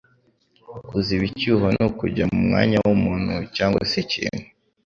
Kuziba icyuho ni kujya mu mwanya w'umuntu cyangwa se ikintu